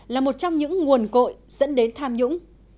là một trong những nguồn cội dẫn đến tham nhũng